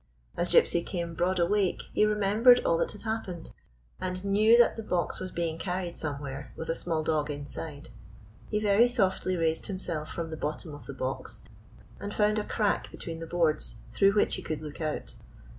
As Gypsy came broad awake he remembered all that had happened, and knew that the box was being carried some where, with a small dog inside. He very softly raised himself from the bottom of the box, and found a crack between the boards through which he could look out.